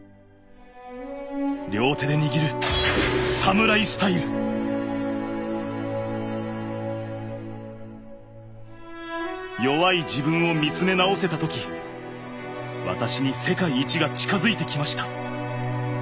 両手で握る弱い自分を見つめ直せた時私に世界一が近づいてきました。